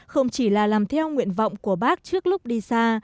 không chỉ là làm theo nguyện vọng của bác trước lúc đi xa